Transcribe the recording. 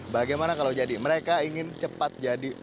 bagaimana kalau jadi mereka ingin cepat jadi